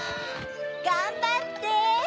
がんばって！